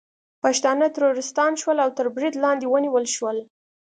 پښتانه ترورستان شول او تر برید لاندې ونیول شول